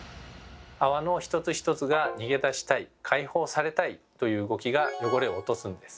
泡の一つ一つが「逃げ出したい」「解放されたい」という動きが汚れを落とすんです。